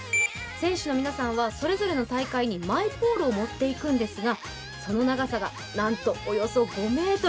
選手の皆さんはそれぞれの大会にマイポールを持っていくんですがその長さがなんと、およそ５ｍ。